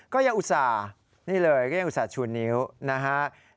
อุตส่าห์นี่เลยก็ยังอุตส่าห์ชูนิ้วนะฮะ